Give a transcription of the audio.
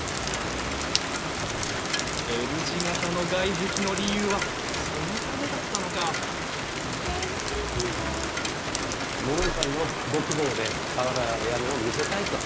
Ｌ字形の外壁の理由はそのためだったのか桃井さんのご希望で瓦屋根を見せたいと。